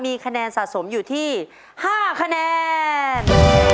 มีคะแนนสะสมอยู่ที่๕คะแนน